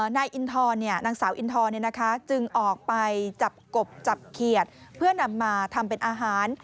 นางสาวอินทรเนี่ยนะคะจึงออกไปจับกบจับเขียดเพื่อนำมาทำเป็นอาหาร